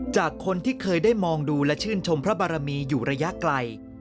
จากคนที่เคยได้มองดูและชื่นชมพระบารมีอยู่ระยะไกล